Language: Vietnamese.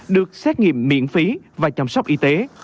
được xét nghiệm miễn phí và chăm sóc y tế